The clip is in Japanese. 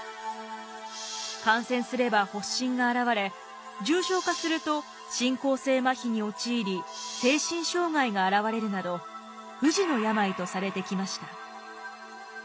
感染すれば発疹が現れ重症化すると進行性まひに陥り精神障害が現れるなど不治の病とされてきました。